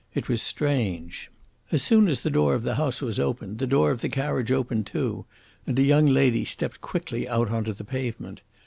It was strange. "As soon as the door of the house was opened the door of the carriage opened too, and a young lady stepped quickly out on to the pavement.